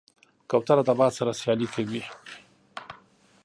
کوتره د باد سره سیالي کوي.